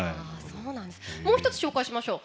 もう１つ、紹介しましょう。